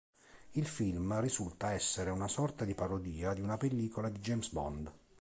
Il film risulta essere una sorta di parodia di una pellicola di James Bond.